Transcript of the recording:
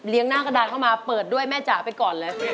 หน้ากระดานเข้ามาเปิดด้วยแม่จ๋าไปก่อนเลย